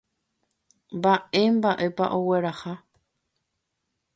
Mba'emba'épa ogueraha.